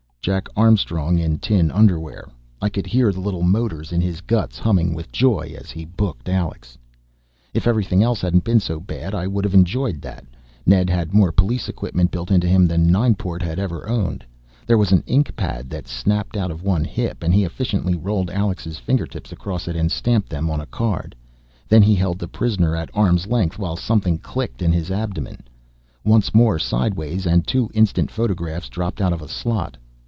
Jack Armstrong in tin underwear. I could hear the little motors in his guts humming with joy as he booked Alex. If everything else hadn't been so bad I would have enjoyed that. Ned had more police equipment built into him than Nineport had ever owned. There was an ink pad that snapped out of one hip, and he efficiently rolled Alex's fingertips across it and stamped them on a card. Then he held the prisoner at arm's length while something clicked in his abdomen. Once more sideways and two instant photographs dropped out of a slot.